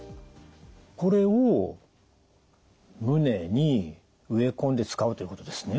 これを胸に植え込んで使うということですね。